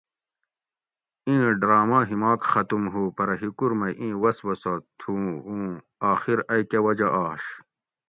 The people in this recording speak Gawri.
اِیں ڈرامہ ہیماک ختُم ہُو پرہ ھیکور مئ اِیں وسوسہ تھُو اُوں اۤخر ائ کہ وجہ آش